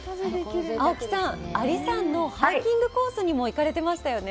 青木さん、阿里山のハイキングコースにも行かれてましたよね？